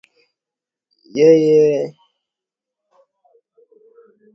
yake ya kukata rufaa kule mbele ya Kaisari Akapelekwa Roma Hatuna